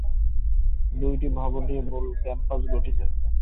দুইটি ভবন নিয়ে মূল ক্যাম্পাস গঠিত।